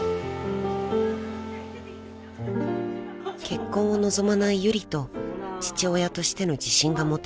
［結婚を望まないユリと父親としての自信が持てないコウジ］